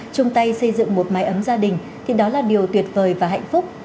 chung tay xây dựng một mái ấm gia đình thì đó là điều tuyệt vời và hạnh phúc